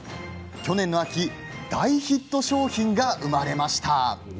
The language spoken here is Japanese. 去年の秋大ヒット商品が生まれました。